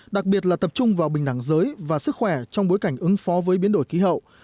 đặc biệt là tập trung vào bình đẳng giới và sức khỏe trong bối cảnh ứng phó với biến đổi khí hậu